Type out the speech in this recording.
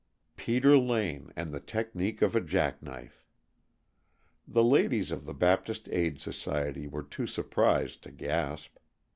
Peter Lane and the technique of a jack knife! The ladies of the Baptist Aid Society were too surprised to gasp.